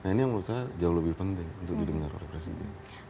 nah ini yang menurut saya jauh lebih penting untuk didengar oleh presiden